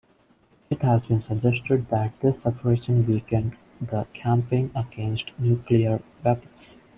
It has been suggested that this separation weakened the campaign against nuclear weapons.